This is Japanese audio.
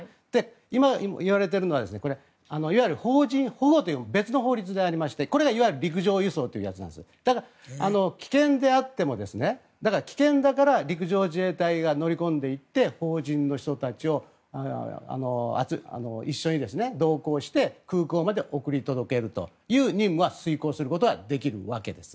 今言われているのはいわゆる邦人保護という別の法律でありまして、これがいわゆる陸上輸送というやつでだから、危険であっても危険だから陸上自衛隊が乗り込んでいって邦人の人たちを一緒に同行して空港まで送り届けるという任務は遂行することができるわけです。